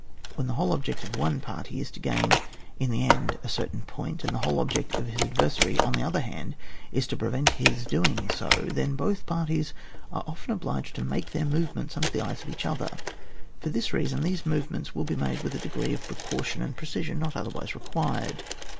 When the whole object of one party is to gain in the end a certain point, and the whole object of his adversary, on the other hand, is to prevent his doing so, then both parties are often obliged to make their movements under the eyes of each other ; for this reason, those move ments must be made with a degree of pre caution and precision not otherwise re quired.